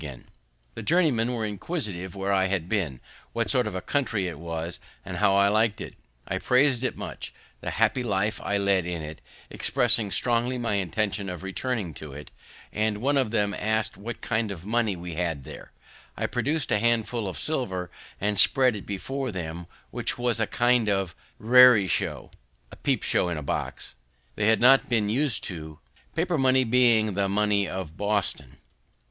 [Illustration: The journeymen were inquisitive] The journeymen were inquisitive where I had been, what sort of a country it was, and how I lik'd it. I prais'd it much, and the happy life I led in it, expressing strongly my intention of returning to it; and, one of them asking what kind of money we had there, I produc'd a handful of silver, and spread it before them, which was a kind of raree show they had not been us'd to, paper being the money of Boston.